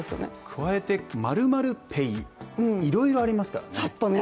加えて○○ペイ、いろいろありますからね。